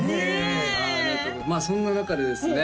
まあそんな中でですね